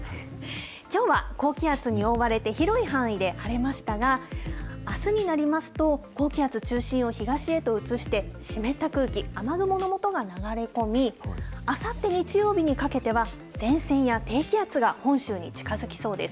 きょうは高気圧に覆われて広い範囲で晴れましたが、あすになりますと高気圧、中心を東へと移して、湿った空気、雨雲のもとが流れ込み、あさって日曜日にかけては、前線や低気圧が本州に近づきそうです。